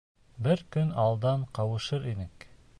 Бер көн алдан ҡауышыр инек.